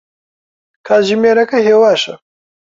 کاتژمێرەکە هێواشە.